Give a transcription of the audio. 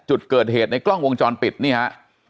จุดเกิดเหตุในกล้องวงจรปิดนี่ฮะ